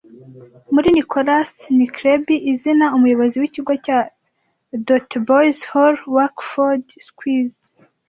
Muri Nicholas Nickleby izina umuyobozi w'ikigo cya Dotheboys Hall Wackford Squeers